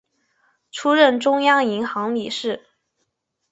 出任中央银行理事。